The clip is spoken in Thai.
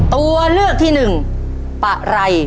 ตัวเลือกที่หนึ่งปะไร